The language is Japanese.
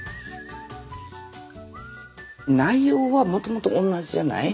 内容はもともと同じじゃない？